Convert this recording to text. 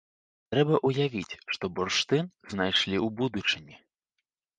Трэба ўявіць, што бурштын знайшлі ў будучыні.